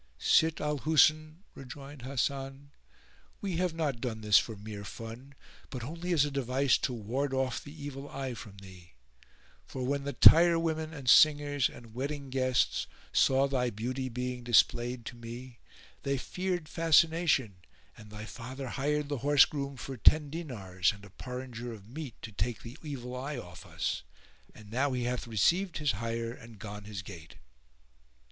"Sitt al Husn," rejoined Hasan, "we have not done this for mere fun, [FN#424] but only as a device to ward off the evil eye from thee; for when the tirewomen and singers and wedding guests saw thy beauty being displayed to me, they feared fascination and thy father hired the horse groom for ten dinars and a porringer of meat to take the evil eye off us; and now he hath received his hire and gone his gait."